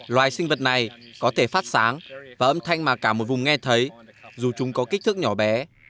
loài sinh vật này có thể phát sáng và âm thanh mà cả một vùng nghe thấy dù chúng có kích thước nhỏ bé